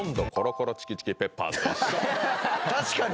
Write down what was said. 確かに！